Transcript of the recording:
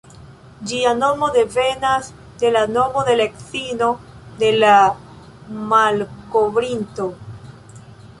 Ĝia nomo devenas de la nomo de la edzino de la malkovrinto.